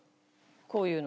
こういうの。